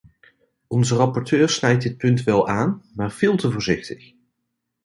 Onze rapporteur snijdt dit punt wel aan, maar veel te voorzichtig.